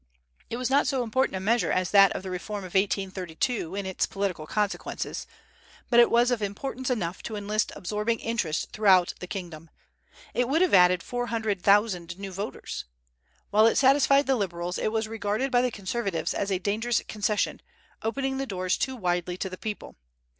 It was not so important a measure as that of the reform of 1832 in its political consequences, but it was of importance enough to enlist absorbing interest throughout the kingdom; it would have added four hundred thousand new voters. While it satisfied the Liberals, it was regarded by the Conservatives as a dangerous concession, opening the doors too widely to the people.